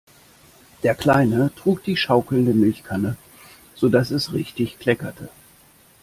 Der Kleine trug die schaukelnde Milchkanne, sodass es richtig kleckerte.